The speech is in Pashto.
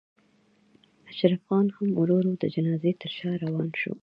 اشرف خان هم ورو ورو د جنازې تر شا روان شو.